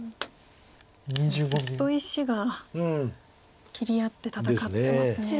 もうずっと石が切り合って戦ってますね。